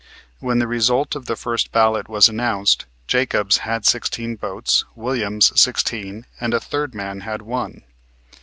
When the result of the first ballot was announced, Jacobs had sixteen votes, Williams, sixteen, and a third man had one.